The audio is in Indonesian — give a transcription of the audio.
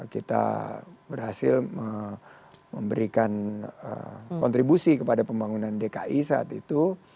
kita berhasil memberikan kontribusi kepada pembangunan dki saat itu